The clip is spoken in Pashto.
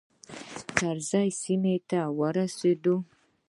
کرز سیمې ته ورسېدو.